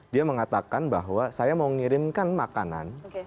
dia mengatakan bahwa saya mau ngirimkan makanan